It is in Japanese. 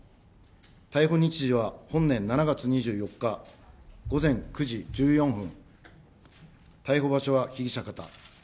逮捕日時は本年７月２４日午前９時１４分、逮捕場所は被疑者方。